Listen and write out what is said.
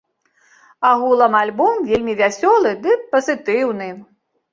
Агулам альбом вельмі вясёлы ды пазітыўны.